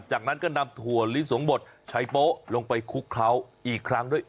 จากนั้นก็นำถั่วลิสงบดใช้โป๊ะลงไปคลุกเคล้าอีกครั้งด้วย